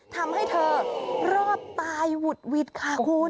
ทำให้เธอรอดตายหวุดหวิดค่ะคุณ